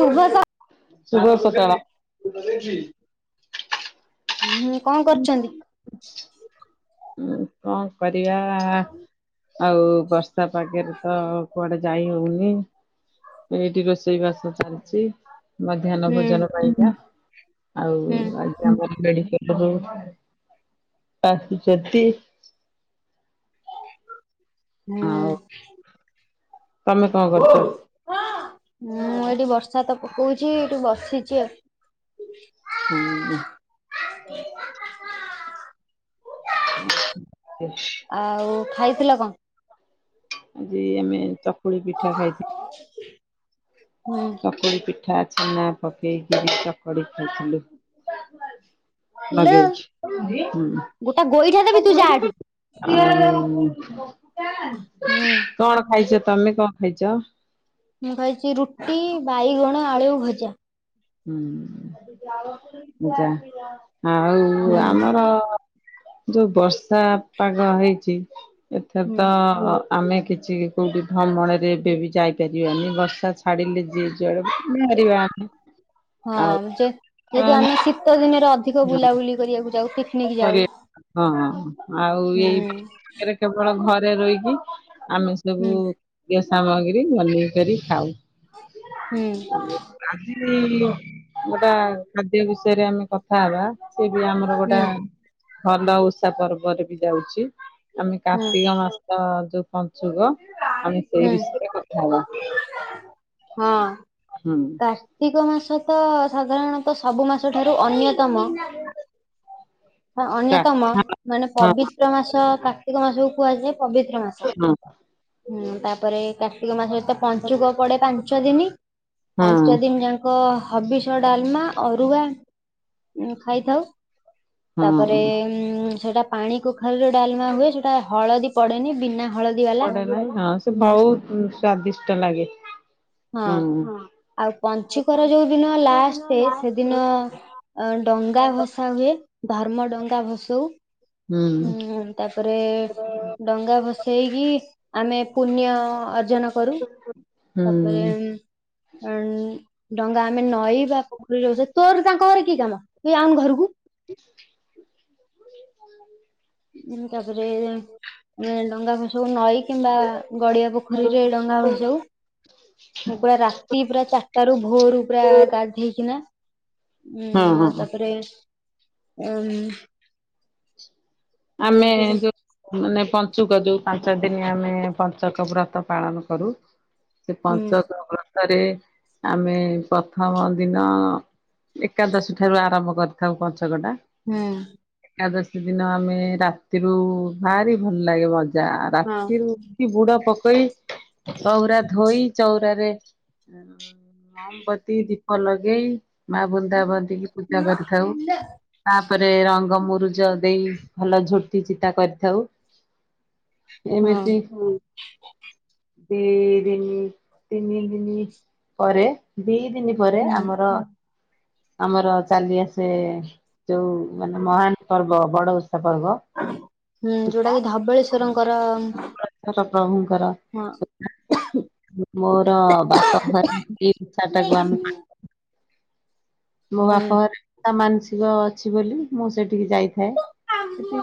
ଶଭ ସ ଶୁଭ ସକାଳ। ହୁଁଁ କଣ କର୍ଚନ୍ତି? ଉଁ କଣ କରିବା ଆ-ଆ ଆଉ ବର୍ଷା ପାଗରେ ତ କୁଆଡ଼େ ଯାଇ ହୋଉନି। ଏଇଠି ରୋଷେଇ ବାସ ଚାଲ୍ ଚି, ମଧ୍ୟାନ ହୁଁ ଭୋଜନ ପାଇଁକା। ଆଉ ହୁଁ। ଆଜିଆମର ମେଡିକାଲ ରୁ ଆସୁଛନ୍ତି। ହୁଁ ଆଉ -ଉଁ ତମେ କଣ କରୁଚ? ମୁଁ ଏଇଠି ବର୍ଷା ତ ପକଉଛି ଏଠୁ ବସିଛି ଆଉ। ହୁଁ, ହୁଁ। [unintelligible] [inaudible] [inaudible] ଆଉ ଖାଇଥିଲ କଣ? ଆଜି ଆମେ ଚକୁଳି ପିଠା ଖାଇଥିଲୁ। ହୁଁ। ଚକୁଳି ପିଠା ଛେନା ପକେଇକିରି ଚକଡିକି ଖାଇଥିଲୁ। ଲଗେଇକି, ହୁଁ। ଗୋଟା ଗୋଇଠା ଦେବି ତୁ ଯା ଏଠୁ। ହୁଁ, ହୁଁ କଣ ଖାଇଛ ତମେ, କଣ ଖାଇଛ? ମୁଁ ଖାଇଛି ରୁଟି, ବାଇଗଣ ଆଳୁ ଭଜା। ହୁଁ, ଭଜା ହୁଁ ଆଉ ଆମର ଯୋଉ ବର୍ଷା ପାଗ ହେଇଛି ଏଥର ହୁଁ ତ ଆମେ କିଛି କେଉଁଠି ଭ୍ରମଣରେ ଏବେ ବି ଯାଇପାରିବାନି ବର୍ଷା ଛାଡ଼ିଲେ ଯିଏ ଯୁଆଡ଼େ ବାହାରିବା। [unintelligible] ହଁ ଯେ ଯେହେତୁ ଆମେ ଆଉ ଶୀତ ଦିନରେ ଅଧିକ ବୁଲାବୁଲି କରିବାକୁ ଯାଉ ପିକନିକ୍ ଯାଉ। ହଁ, ହଁ ଆଉ ହୁଁ ଏଇ ପାଖରେ କେବଳ ଘରେ ରହିକି ଆମେ ସବୁ ହୁଁ ଖାଦ୍ୟ ସାମଗ୍ରୀ ବନେଇ କରି ଖାଉ। ହୁଁ। ଆଜି ଗୋଟା ଖାଦ୍ୟ ବିଷୟରେ ଆମେ କଥା ହେବା। ସିଏ ବି ଆମର ଗୋଟା ହୁଁ ଭଲ ଓଷା ପର୍ବରେ ବି ଯାଉଛି। ଆମେ ହୁଁ କାର୍ତ୍ତିକ ମାସ ଯୋଉ ପଞ୍ଚୁକ ଆମେ ସେଇ ହୁଁ ବିଷୟରେ କଥା ହେବା। ହଁ। ହୁଁ। କାର୍ତ୍ତିକ ମାସ ତ ସାଧାରଣତଃ ସବୁ ମାସ ଠାରୁ ଅନ୍ୟତମ। ହଁ, ଅନ୍ୟତମ ହଁ ମାନେ ପବିତ୍ର ମାସ କାର୍ତ୍ତିକ ମାସକୁ କୁହାଯାଏ ପବିତ୍ର ମାସ। ହୁଁ, ତାପରେ କାର୍ତ୍ତିକ ମାସରେ ତ ପଞ୍ଚୁକ ପଡେ ପାଞ୍ଚ ଦିନ ହଁ ପାଞ୍ଚ ଦିନି ଯା ଙ୍କ ହବିଷ ଡାଲମା, ଅରୁଆ ଖାଇଥାଉ। ହଁ ତାପରେ ହଁ। ଉ ସେଟା ପାଣିକୁ ଘରେ ଯୋଉ ଡାଲମା ହୁଏ ସେଟା ହଳଦୀ ପଡେନି ବିନା ହଳଦୀ ବାଲା। ହୁଁ। ସ୍ୱାଦିଷ୍ଟ ଲାଗେ, ହୁଁ, ହଁ। ଆଉ ପଞ୍ଚୁକର ଯୋଉ ଦିନ ଲାଷ୍ଟ ସେଦିନ ଅ ଡଙ୍ଗା ଭସା ହୁଏ, ଧର୍ମ ଡଙ୍ଗା ଭସଉ। ହୁଁ, ତାପରେ ଡଙ୍ଗା ଭସେଇକି ଆମେ ପ୍ରୁଣ୍ୟ ଅର୍ଜନ କରୁ। ହୁଁ ତାପରେ, ଉନ୍ ଡଙ୍ଗା ଆମେ ନଈ ବା ପୋଖରୀରେ ଭସାଉ, ତୋର ତାଙ୍କ ଘରେ କିଏ କାମ ତୁ ଯାଉନୁ ଘରକୁ। [unintelligible] ମୁଁ ତାପରେ ଡଙ୍ଗା ଭସଉ ନଈ କିମ୍ବା ଗଡ଼ିଆ ପୋଖରୀରେ ଡଙ୍ଗା ଭସଉ। ପୁରା ରାତି ପୁରା ଚାରିଟା ରୁ ଭୋରୁୁ ପୁରା ଗାଧେଇକିନା ହଁ ହଁ ଉନ୍ ତାପରେ ଉନ୍ ଆମେ ଯୋଉ ମାନେ ପଞ୍ଚୁକ ଯୋଉ ପାଞ୍ଚ ଦିନି ଆମେ ପଞ୍ଚକ ବ୍ରତ ପାଳନ କରୁ ସେ ହୁଁ ପଞ୍ଚକ ବ୍ରତରେ ଆମେ ପ୍ରଥମ ଦିନ ଏକାଦଶୀ ଠାରୁ ଆରମ୍ଭ କରିଥାଉ ପଞ୍ଚକଟା। ହୁଁ ଏକାଦଶୀ ଦିନ ଆମେ ରାତିରୁ ଭାରି ଭଲ ଲାଗେ ମଜା ରାତିରୁ ବୁଡ ପକେଇ ଚଉରା ଧୋଇ ଚଉରାରେ ମହମବତୀ ଦୀପ ଲଗେଇ। ମା ବୃନ୍ଦାବନ୍ଦିକି ପୂଜା କରିଥାଉ ତାପରେ ରଙ୍ଗ ମୁରୁଜ ଦେଇ। ଭଲ ଝୋଟି ଚିତା କରିଥାଉ ହଁ ଏମିତି ଉ ଦି ଦିନ ତିନି ଦିନ ପରେ ଦି ଦିନ ପରେ ହୁଁ ଆମର ଆମର ଚାଲି ଆସେ ଯୋଉ ମାନେ ମହାନପର୍ବ ବଡ଼ଓଷା ପର୍ବ। ହୁଁ ଯୋଉଟା କି ଧବଳେଶ୍ଵରଙ୍କର ଟ ପ୍ରଭୁଙ୍କର। ହଁ। ମୋର ବାପ ଘରେ ଏଇ ଇଚ୍ଛାଟାକୁ ଆମକୁ ମୋ ହୁଁ ବାପ ଘରେ ତା ମାନସିକ ଅଛି ବୋଲି ମୁଁ ସେଠିକି ଯାଇଥାଏ। ସେଠି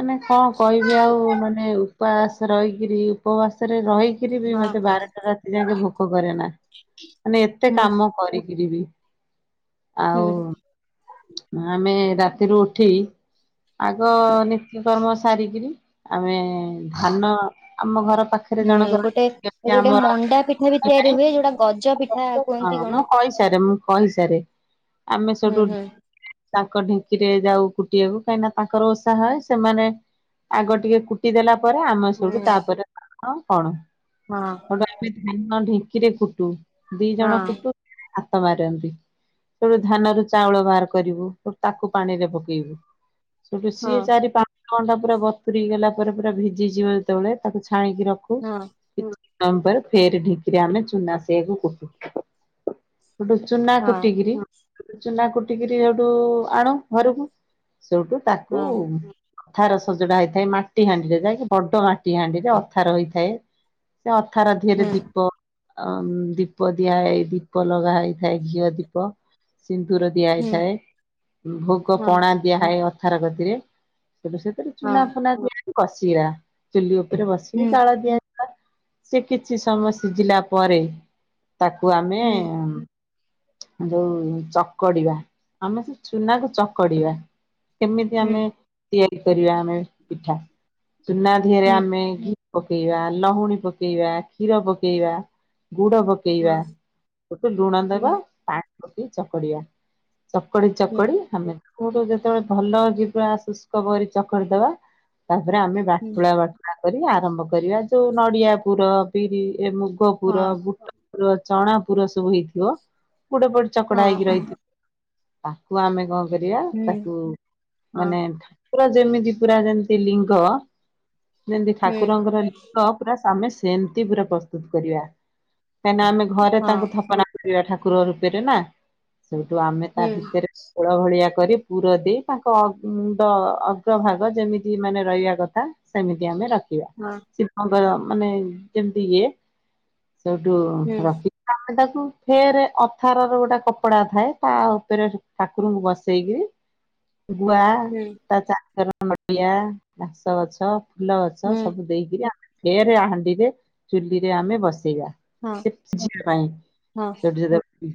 ମାନେ କଣ କହିବି ଆଉ ମାନେ ଉପବାସ ରହିକିରି। ଉପବାସରେ ରହିକିରି ବି ହଁ ମତେ ବାରଟା ରାତି ଯାଇକେ ଭୋକ କରେନା। ମାନେ ଏତେ ହୁଁ କାମ କରିକିରି ବି ହୁଁ ଆଉ ଆମେ ରାତିରୁ ଉଠି ଆଗ ନିତ୍ୟକର୍ମ ସାରିକିରି ଆମେ ଧାନ ଆମ ଘର ପାଖରେ ହୁଁ ଜଣକର ଗୋଟେ କେତେ ଯୋଉଟେ ଆମର ମଣ୍ଡା ପିଠା ବି ଧାନ ତିଆରି ହେଉଥାଏ। ହୁଏ ଯୋଉଟା ଗଜ ପିଠା ହଁ କୁହନ୍ତି କଣ? ମୁଁ କହିସାରେ ମୁଁ କହିସାରେ ଆମେ ହୁଁ ସେଠୁ ହୁଁ ତାଙ୍କ ଢେଙ୍କିରେ ଯାଉ କୁଟିବାକୁ କାହିଁକିନା ତାଙ୍କର ଓଷା ହୁଏ ସେମାନେ ଆଗ ଟିକେ କୁଟିଦେଲ ପରେ ଆମେ ସେଠୁ ତାପରେ କରୁ। ହଁ। ଧାନ ଢିଙ୍କିରେ କୁଟୁ ଦିଜଣ ହଁ କୁଟୁ। ହାତମାରନ୍ତି ସେଠୁ ଧାନରୁ ଚାଉଳ ବାହାର କରିବୁୁ ତାକୁ ପାଣିରେ ପକେଇବୁ ସେଠୁ ହଁ ହଁ ସିଏ ଚାରି ପା ଅଧଘଣ୍ଟା ପୁରା ବତୁୁରିଗଲା ପରେ ପୁରା ଭିଜିଯିବ ଯେତେବେଳେ ତାକୁ ଛାଣିକି ରଖୁ। ହଁ। ଆମବର ଫେର ଢିଙ୍କିରେ ଆମେ ଚୁନା ଦେଇ କୁଟୁ। ଚୁନା ହଁ ହଁ କୁଟିକିରି ଚୁନା କୁ କୁଟିକିରି ସେଇଠୁ ଆଣୁ ଘରକୁ ସେଇଠୁ ତାକୁ। ହଁ ଅଥାର ସଜଡା ହେଇଥାଏ ମାଟିହାଣ୍ଡିରେ ଯାଇକି ବଡ଼ମାଟିହାଣ୍ଡିରେ ଅଥାର ହେଇଥାଏ। ସେ ଅଥାର ହୁଁ ଧୀଅରେ ଦୀପ ଅମ୍ ଦୀପ ଦିଆହେଇ ଦୀପ ଲଗାହେଇଥାଏ ଘିଅଦୀପ ସିନ୍ଦୁର ଦିଆ ହୁଁ ଥାଏ ହଁ ଭୋଗପଣା ଦିଆହୁଏ ଅଥାର ଗଦୀରେ ସେଠୁ ସେ ସେଠି ହଁ ଚୁନାଫୁନା କୁଟି ବସିଆ ଚୁଲି ଉପରେ ବସିକି ହୁଁ ଜାଳ ଦିଆ ସେ କିଛି ସମୟ ସିଝିଲା ପରେ ତାକୁ ଆମେ ହୁଁ ଯୋଉ ଚକଡିବା, ଆମେ ସେ ଚୁନାକୁ ଚକଡିବା କେମିତି ହୁଁ ଆମେ ତିଆରି କରିବା ଆମେ ପିଠା ଚୁନାଧିଅରେ ହୁଁ ଆମେ ଘିଅ ପକେଇବା ଲହୁଣୀ ପକେଇବା କ୍ଷୀର ପକେଇବା ଗୁଡ଼ ପକେଇ ପକେଇବା ହଁ ଗଟୁ ଲୁଣ ହୁଁ ଦେବା ପାଣି ପକେଇ ଚକଡିବା। ଚକଡି ହୁଁ ଚକଡି ଆମେ କଉଠୁ ଯେତେବେଳେ ଭଲଯିବା ଶୁଷ୍କକରି ଚକଟିଦେବା ତାପରେ ଆମେ ହୁଁ ବାଟୁଳା ଆଗରି ଆରମ୍ଭ କରିବା ଯୋଉ ନଡିଆପୁର ବିରି ଏ ମୁଗପୁର ହଁ ବୁଟ ପୁର ଚଣାପୁର ସବୁ ହେଇଥିବ। [unintelligible] ପୋଡ ହଁ ଚକଡା ହେଇକି ରହିଥିବ [inaudible] ତାକୁ ଆମେ କ କରିବା ତାକୁ ହୁଁ ହଁ ହୁଁ ହଁ ହୁଁ ହଁ ହୁଁ ହୁଁ ହୁଁ ହଁ ହଁ ହଁ ମାନେ ଠାକୁର ଯେମିତି ପୁରା ଯେମିତି ଲିଙ୍ଗ ଯେମିତି ଠାକୁରଙ୍କର [unintelligible] ଆମେ ସେମିତି ପୁରା ପ୍ରସ୍ତୁତ କରିବା, କାହିଁକିନା ଆମେ ଘରେ ତାଙ୍କୁ ଥାପନା ପ୍ରିୟଠାକୁର ରୂପେରେ ନା ସେଇଠୁ ଆମେ ତା ଭିତରେ ଓଳ ଭଳିଆ କରି ପୁରଦେଇ ତାଙ୍କ ଅଁ ଉଁ ମୁଣ୍ଡଅଗ୍ରଭାଗ ଯେମିତି ମାନେ ରଇଆ କଥା ସେମିତି ଆମେ ରଖିବା। ହଁ। ଶିବଙ୍କର ମାନେ ଯେମିତି ଇଏ ସେଇଠୁ ରଖି ତମେ ତାକୁ ଫେର ପଥାର ର ଗୋଟେ କପଡା ଥାଏ ତା ଉପରେ ଠାକୁରଙ୍କୁ ବସେଇକିରି ଗୁଆ ତା [unintelligible] ଆସ ଘାସଗଛ ଫୁଲଗଛ ସବୁ ଦେଇକିରି ଆମେ ଫେର ହାଣ୍ଡିରେ ଚୁଲିରେ ଆମେ ବସେଇଆ। ସେଠି [unintelligible] ଯିବା ପାଇଁ ସେଠି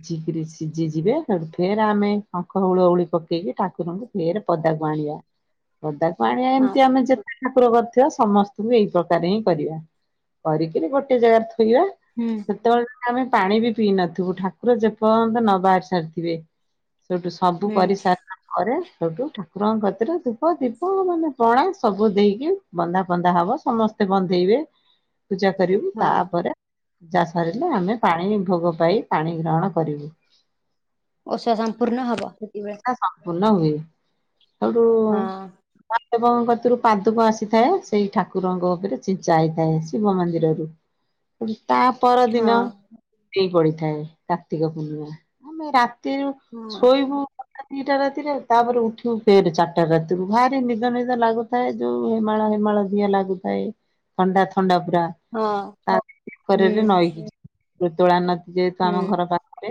ଝିକରିସିଝି ଯିବେ ସେଠୁ ଫେର ଆମେ ଶଙ୍ଖ, ହୁଳହୁଳି ପକେଇକି ଠାକୁରଙ୍କୁ ଫେରେ ପଦାକୁ ଆଣିବା, ପଦାକୁ ଆଣିବା ଏମିତି ଆମେ ଯେ ଠାକୁର କରିଥିବା ସମସ୍ତଙ୍କୁ ଏଇ ପ୍ରକାର ହିଁ କରିବା। କରିକିରି ଗୋଟେ ଜାଗାରେ ଥୋଇବଆ। ହୁଁ। ସେତେବେଳେ ଆମେ ପାଣି ବି ପିଇ ନଥିବୁ ଠାକୁର ଯେପର୍ଯ୍ୟନ୍ତ ନ ବାହାରି ସାରିଥିବେ ସେଠୁ। ସବୁ ହୁଁ କରିସାର ଆରେ ସବୁ ଠାକୁରଙ୍କ କତିରେ ଧୁପ, ଦୀପ ମାନେ ପଣା ସବୁ ଦେଇକି ବନ୍ଧା ପନ୍ଦା ହବ ସମସ୍ତେ ବନ୍ଦେଇବେ। ପୂଜାକରିବୁ ହଁ ତାପରେ ପୂଜାସରିଲେ ଆମେ ପାଣିଭୋଗ ପାଇ ପାଣି ଗ୍ରହଣକରିବୁ। ଓଷା ସମ୍ପୂର୍ଣ ହବ ସେତିବେଳେ। ସମ୍ପୂର୍ଣ ହୁଏ ସେଉଠୁ ହଁ ମହାଦେବଙ୍କତରୁ ପାଦୁକ ଆସିଥାଏ ସେଇ ଠାକୁରଙ୍କ ଉପରେ ଛିଞ୍ଚା ହେଇଥାଏ। ଶିବ ମନ୍ଦିରରୁ ହ [inaudible] ତା ହଁ ପରଦିନ ଟି ପଡିଥାଏ କାର୍ତ୍ତିକ ପୂର୍ଣ୍ଣିମା ଆମେ ତିରୁ ହଁ ଶୋଇବୁ ଦି ଟା ରାତିରେ ତାପରେ ଉଠିବୁ ଫେରେ ଚାରିଟା ରାତିରୁ ଭାରି ନିଦ ନିଦ ଲାଗୁ ଥାଏ ଯୋଉ ହେମାଳ ହେମାଳ ଦିହ ଲାଗୁଥାଏ ଥଣ୍ଡା ଥଣ୍ଡା ପୁରା ହଁ ତା ପରେ ହୁଁ ନଈକି ଯିବୁ ତୋଳ ନଦିରେ ତ ହୁଁ ଆମ ଘର ପରେ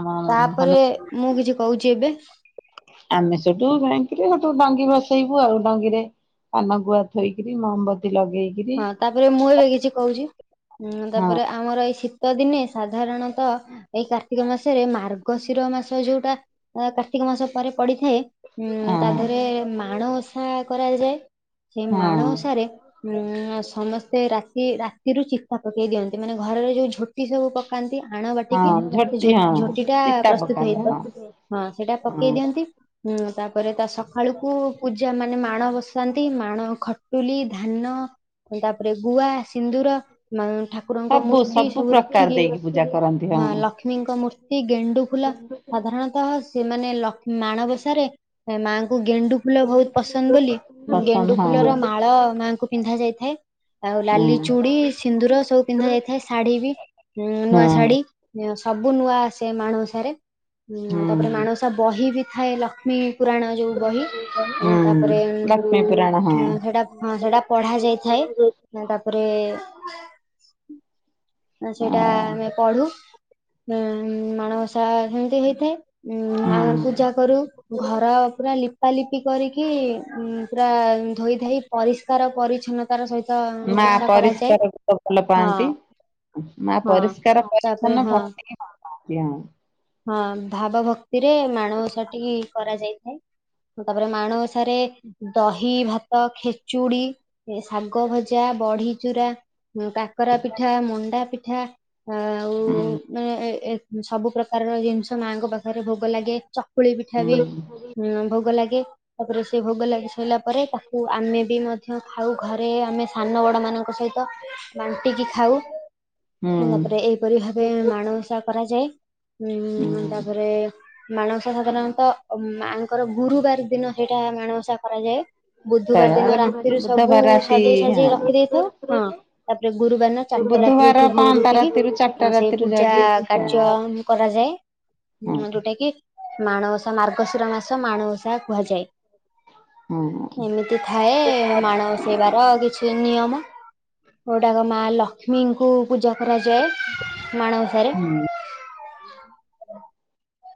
ଆମ ତାପରେ ହନୁମାନ ମୁଁ କିଛି କହୁଛି ଏବେ ଆମେ ସେଠୁ ଯାଇକିରି ସେଠୁ ଡଙ୍ଗି ଭସେଇବୁ ଆଉ ଡଙ୍ଗିରେ ପାନ ଗୁଆ ଥୋଇକରି ମହମବତୀ ଲଗେଇ ହଁ ତାପରେ ମୁଁ ଏବେ କିଛି କହୁଛି। ଉଁ ହଁ ତାପରେ ଆମର ଏଇ ଶୀତ ଦିନେ ସାଧାରଣତଃ ଏଇ କା କାର୍ତ୍ତିକ ମାସରେ ମାର୍ଗଶିର ମାସ ଯୋଉଟା ଆ କାର୍ତ୍ତିକ ମାସ ପରେ ପଡିଥାଏ ଉଁ ହଁ ତା ଦେହରେ ମାଣ ଓଷା କରାଯାଏ। ସେ ହଁ ମାଣ ଓଷାରେ ଉଁ ସମସ୍ତେ ରାତି ରାତିରୁ ଚିତା ପକେଇ ଦିଅନ୍ତି ମାନେ ଘରର ଯୋଉ ଝୋ ଟି ସବୁ ପକାନ୍ତି ଆଣ ହଁ ବାଟିକି ସେ ଝୋଟି ଝୋ ହଁ ଝୋଟି ଟା ଚିତା ପ୍ରସ୍ତୁତ ପକାନ୍ତି ହଁ ହେଇଥାଏ। ହଁ ସେଇଟା ପକେଇ ହଁ ଦିଅନ୍ତି। ହୁଁ ତାପରେ ତା ସକାଳୁକୁ ପୂଜା ମାନେ ମାଣ ବସାନ୍ତି ମାଣ ଖଟୁଲି ଧାନ ତାପରେ ଗୁଆ ସିନ୍ଦୁର ଠାକୁରଙ୍କ ସବୁ ମୂର୍ତ୍ତି ସବୁ ପ୍ରକାର ରଖିକି ଦେଇକି ପୂଜା କରନ୍ତି ହଁ ଲକ୍ଷ୍ମୀଙ୍କ ମୂର୍ତ୍ତି ଗେଣ୍ଡୁ ଫୁଲ ସାଧାରଣତଃ ସେମାନେ ଲକ୍ଷ୍ ମାଣବସାରେ ମାଙ୍କୁ ଗେଣ୍ଡୁ ଫୁଲ ବହୁତ୍ ପସନ୍ଦ ବୋଲି ପସନ୍ଦ ଗେଣ୍ଡୁ ହଁ। ଫୁଲର ମାଳ ମାଆଙ୍କୁ ପିନ୍ଧା ଯାଇଥାଏ। ଆଉ ହଁ ଲାଲି ଚୁଡ଼ି ସିନ୍ଦୁର ସବୁ ପିନ୍ଧା ଯାଇଥାଏ ଶାଢ଼ୀ ବି ନୂଆ ହଁ ଶାଢ଼ୀ ସବୁ ନୂଆ ଆସେ ମାଣ ଓଷା ରେ ଉଁ ତାପରେ ହୁଁ ମାଣଓଷା ବହି ବି ଥାଏ ଲକ୍ଷ୍ମୀ ପୁରାଣ ଯୋଉ ବହି ହୁଁ ତାପରେ ଲକ୍ଷ୍ମୀ ପୁରାଣ ହଁ। ସେଟା ହଁ ସେଟା ପଢା ଯାଇଥାଏ ତାପରେ ସେଇଟା ଆମେ ପଢୁ ମାଣବସା ସେମିତି ହେଇଥାଏ। ଉଁ ଆମେ ହୁଁ ପୂଜା କରୁ ଘର ପୁରା ଲିପା ଲିପି କରିକି ପୁରା ଧୋଇ ଧାଇ ପରିଷ୍କାର ପରିଚ୍ଛନ୍ନ ତାର ସହିତ ମା ଓଷା କରାଯାଏ ପରିଷ୍କାର ତ ଭଲ ହଁ ପାଆନ୍ତି। ମା ହଁ। ପରିଷ୍କାର ତାପରେ ପରିଚ୍ଛନ୍ନ ହଁ ଭକ୍ତିକି ଭଲ ପାଆନ୍ତି ହଁ। ହଁ ଭାବ ଭକ୍ତି ରେ ମାଣବସା ଟି କରାଯାଇଥାଏ। ତାପରେ ମାଣବ ସାରେ ଦହି, ଭାତ, ଖେଚୁଡି ଏ ଶାଗ ଭଜା, ବଢି ଚୁରା କାକରା ପିଠା, ମଣ୍ଡା ପିଠା ଆଉ ହୁଁ ହେ ହେ ସବୁ ପ୍ରକାରର ଜିନିଷ ମାଆଙ୍କ ପାଖରେ ଭୋଗ ଲାଗେ ଚକୁଳି ପିଠା ବି ହୁଁ ହଁ ଭୋଗ ଲାଗେ। ତାପରେ ସେ ଭୋଗ ଲାଗି ସାଇଲା ପରେ ତାକୁ ଆମେ ବି ମଧ୍ୟ ଖାଉ ଘରେ ଆମେ ସାନ ବଡ ମାନଙ୍କ ସହିତ ତ ବାଣ୍ଟିକି ଖାଉ ତାପରେ ଏଇପରି ଭାବେ ମାଣ ଓଷା କରାଯାଏ। ଉଁ ତାପରେ ମାଣ ଓଷା ତ ସାଧାରଣତଃ ମାଙ୍କର ଗୁରୁବାର ଦିନ ହେଇଟା ମାଣବସା କରାଯାଏ। ବୁଧବାର ଦିନ ରାତିରୁ ସବୁ ବୁଧବାର ରାତି ସଜେଇ ହଁ। ସଜାଇ ରଖିଦେଇଥାଉ ହଁ ତା ଗୁରୁବାର ଦିନ ଚାରିଟା ରାତିରେ ବୁଧବାର ଉଠି ଭୋର ପାଞ୍ଚଟା ଉଠିକି ରାତିରୁ ଚାରିଟା ସେଇ ରାତିରୁ ପୂଜା ଯାଇକି କାର୍ଯ୍ୟ ମୁଁ କରାଯାଏ ହଁ ଯୋଉଟା କି ମାଣବସା ମାର୍ଗଶିର ମାସ ମାଣବସା କୁହାଯାଏ। ହଁ ଏମିତି ଥାଏ ମାଣବସା ସେବାର କିଛି ନିୟମ ଯୋଉଟାକ ମା ଲଷ୍ମୀ ଲକ୍ଷ୍ମୀଙ୍କୁ ପୂଜା କରାଯାଏ ମାଣବସାରେ ହଁ।